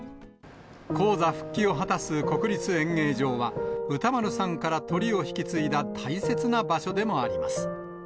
高座復帰を果たす国立演芸場は、歌丸さんからトリを引き継いだ大切な場所でもあります。